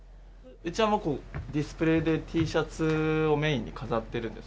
うちはディスプレーでＴシャツをメインに飾ってるんですけど。